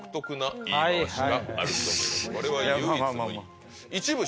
これは唯一無二。